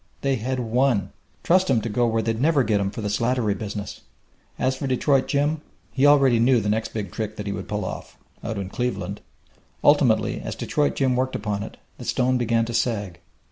They had won. Trust him to go where they'd never get him for the Slattery business! As for Detroit Jim, he already knew the next big trick that he would pull off out in Cleveland! Ultimately, as Detroit Jim worked upon it, the stone began to sag.